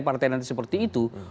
partai nanti seperti itu